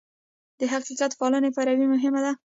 د حقیقت فعاله پیروي مهمه ده.